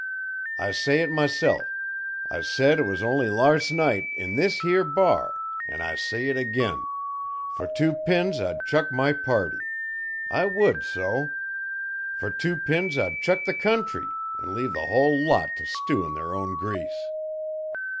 I say it myself, I said it only larst night in this here bar, and I say it again, for two pins I'd chuck my party. I would so. For two pins I'd chuck the country, and leave the whole lot to stew in their own grease."